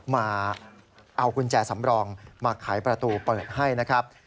มาเอากุญแจสำรองมาไขประตูเปิดให้นะครับ